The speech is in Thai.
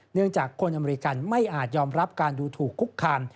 เนื่องจากคนอเมริกันไม่อาจยอมรับการดูถูกคุกคาม